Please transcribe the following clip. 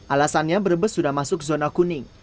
alasannya brebes sudah masuk zona kuning